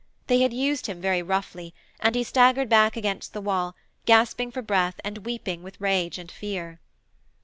They had used him very roughly, and he staggered back against the wall, gasping for breath and weeping with rage and fear.